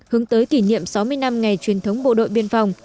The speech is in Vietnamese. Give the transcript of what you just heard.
hướng tới kỷ niệm sáu mươi năm ngày truyền thống bộ đội biên phòng